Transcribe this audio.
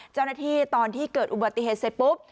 เจ้าหน้าที่ตอนที่เกิดอุบัติเหตุเสร็จปุ๊บ